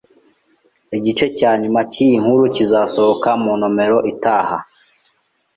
Igice cya nyuma cyiyi nkuru kizasohoka mu nomero itaha.